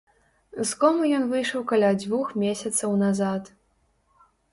З комы ён выйшаў каля двух месяцаў назад.